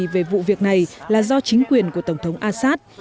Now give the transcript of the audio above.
về vụ việc này là do chính quyền của tổng thống assad